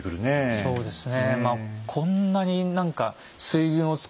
そうですよね。